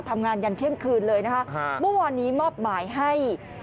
ทำงานยันเที่ยงคืนเลยนะคะเมื่อวานนี้มอบหมายให้